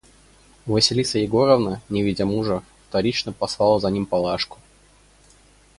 Василиса Егоровна, не видя мужа, вторично послала за ним Палашку.